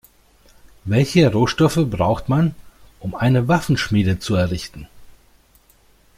Welche Rohstoffe braucht man, um eine Waffenschmiede zu errichten?